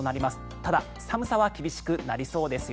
ただ寒さは厳しくなりそうですよ。